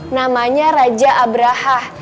namanya raja abraha